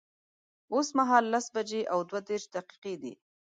اوس مهال لس بجي او دوه دیرش دقیقی دی